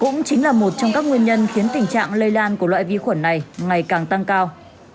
cũng chính là một trong các nguyên nhân khiến tình trạng lây lan của loại vi khuẩn này ngày càng tăng cao